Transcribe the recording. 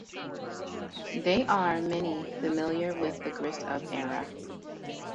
They are many familiar with the Gris of Error.